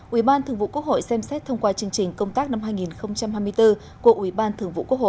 ủy ban thường vụ quốc hội xem xét thông qua chương trình công tác năm hai nghìn hai mươi bốn của ủy ban thường vụ quốc hội